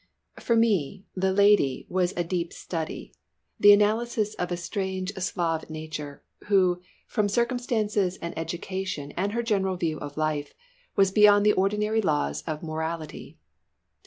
For me "the Lady" was a deep study, the analysis of a strange Slav nature, who, from circumstances and education and her general view of life, was beyond the ordinary laws of morality.